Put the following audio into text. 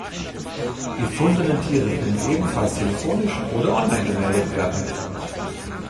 Gefundene Tiere können ebenfalls telefonisch oder online gemeldet werden.